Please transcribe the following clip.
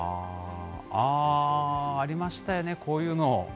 ああ、ありましたよね、こういうの。